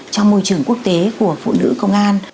trong môi trường quốc tế của phụ nữ công an